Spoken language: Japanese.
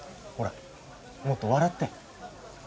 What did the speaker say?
ほらもっと笑って。